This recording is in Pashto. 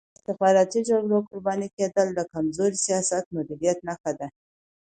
د استخباراتي جګړو قرباني کېدل د کمزوري سیاسي مدیریت نښه ده.